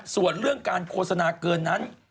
ส่วนเรื่องการโฆษณาเกินนั้น